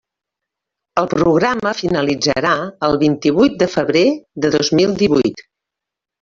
El programa finalitzarà el vint-i-vuit de febrer de dos mil divuit.